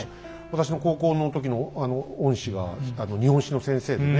私の高校の時の恩師が日本史の先生でね